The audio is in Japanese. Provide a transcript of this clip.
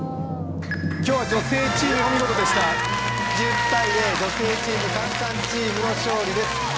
今日は女性チームお見事でした１０対０女性チームカン・カンチームの勝利です